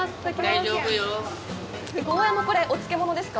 えっ、ゴーヤのこれ、お漬物ですか。